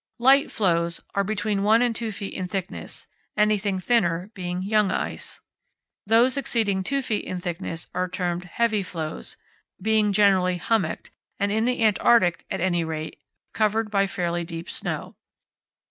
"Light floes" are between one and two feet in thickness (anything thinner being "young ice"). Those exceeding two feet in thickness are termed "heavy floes," being generally hummocked, and in the Antarctic, at any rate, covered by fairly deep snow.